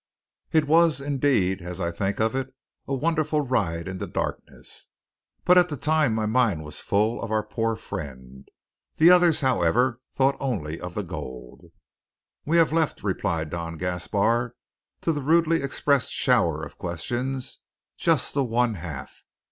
It was indeed, as I think of it, a wonderful ride in the darkness; but at the time my mind was full of our poor friend. The others, however, thought only of the gold. "We have left," replied Don Gaspar to the rudely expressed shower of questions, "just the one half.